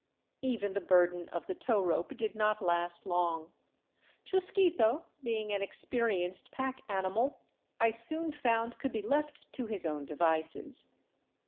Even the burden of the tow rope did not last long. Chusquito, being an experienced pack animal, I soon found could be left to his own devices.